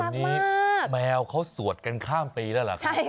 นี้แมวเขาสวดกันข้ามปีได้ละ๑๙๖๑